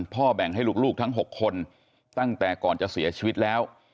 แบ่งให้ลูกทั้ง๖คนตั้งแต่ก่อนจะเสียชีวิตแล้ว